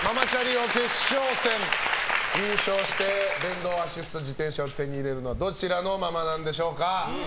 王決勝戦優勝して電動アシスト自転車を手に入れるのはどちらのママなんでしょうか。